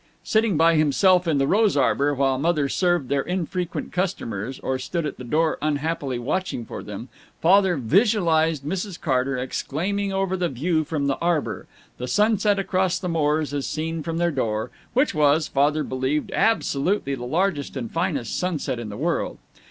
Sitting by himself in the rose arbor while Mother served their infrequent customers or stood at the door unhappily watching for them, Father visualized Mrs. Carter exclaiming over the view from the arbor, the sunset across the moors as seen from their door which was, Father believed, absolutely the largest and finest sunset in the world.